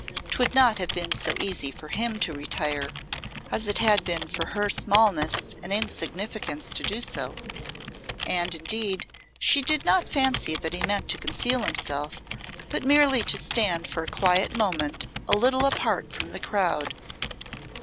'Twould not have been so easy for him to retire as it had been for her smallness and insignificance to do so; and, indeed, she did not fancy that he meant to conceal himself, but merely to stand for a quiet moment a little apart from the crowd.